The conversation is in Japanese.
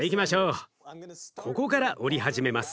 ここから折り始めます。